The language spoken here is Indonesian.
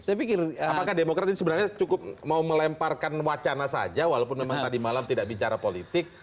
apakah demokrat ini sebenarnya cukup mau melemparkan wacana saja walaupun memang tadi malam tidak bicara politik